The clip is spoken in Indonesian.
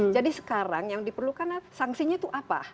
jadi sekarang yang diperlukan sanksinya itu apa